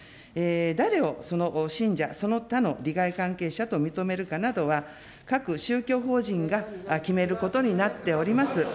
誰をその信者、その他の利害関係者と認めるかなどは、各宗教法人が決めることになっております。